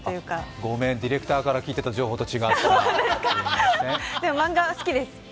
ごめん、ディレクターから聞いてた情報と違った。